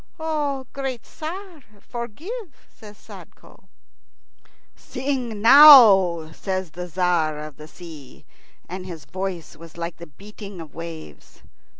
"Great Tzar, forgive," says Sadko. "Sing now," says the Tzar of the Sea, and his voice was like the beating of waves.